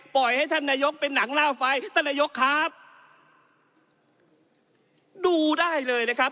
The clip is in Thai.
ให้ท่านนายกเป็นหนังล่าไฟท่านนายกครับดูได้เลยนะครับ